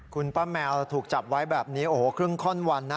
คุณป้าแมวถูกจับไว้แบบนี้โอ้โหครึ่งข้อนวันนะ